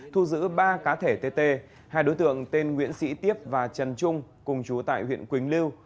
thu giữ ba cá thể tt hai đối tượng tên nguyễn sĩ tiếp và trần trung cùng chú tại huyện quỳnh lưu